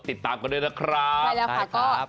ติดตามกันด้วยนะครับ